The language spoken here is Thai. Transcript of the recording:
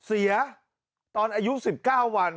เสียตอนอายุ๑๙วัน